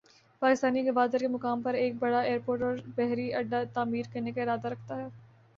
پاکستان گوادر کے مقام پر ایک بڑا ایئرپورٹ اور بحری اڈہ تعمیر کرنے کا ارادہ رکھتا ہے۔